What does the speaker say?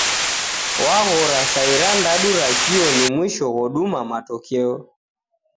Waghora saa irandadu ra kio ni mwisho ghoduma matokeo